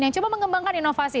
yang coba mengembangkan inovasi